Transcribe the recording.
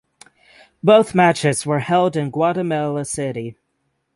Both matches were held in Guatemala City.